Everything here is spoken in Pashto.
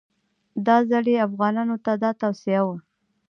دا ځل یې افغانانو ته دا توصیه وه.